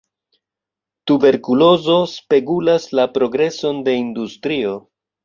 Tuberkulozo spegulas la progreson de industrio.